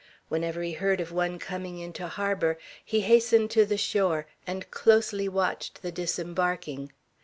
Whenever he heard of one coming into harbor, he hastened to the shore, and closely watched the disembarking.